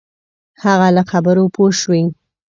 هغه له خبرو پوه شوی.